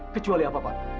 kecuali apa pak